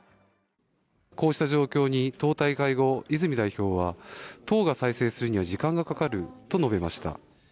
こうした状況に党大会後、泉代表は党が再生するには時間がかかると述べました。